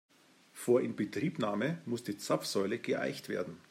Vor Inbetriebnahme muss die Zapfsäule geeicht werden.